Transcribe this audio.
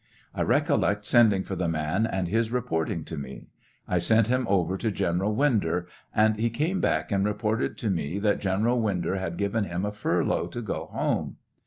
I recollect sending for the man and his reporting to me. I sent him over to General Winder, and he came back and reported to me that General Winder had given him a furlough to go home.